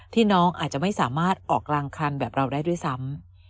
น้องอาจจะไม่สามารถออกกลางคันแบบเราได้ด้วยซ้ำ